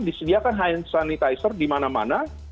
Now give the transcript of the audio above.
disediakan hand sanitizer di mana mana